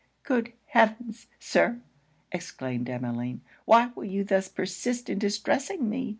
'Good heaven! Sir,' exclaimed Emmeline, 'why will you thus persist in distressing me?